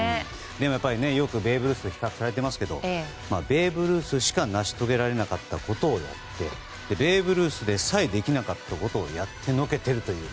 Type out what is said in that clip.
でも、よくベーブ・ルースと比較されてますけどベーブ・ルースしか成し遂げられなかったことをやってベーブ・ルースでさえできなかったことをやってのけているという。